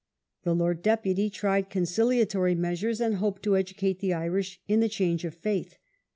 The Lord Deputy tried con ciliatory measures, and hoped to educate the Irish in the change of faith.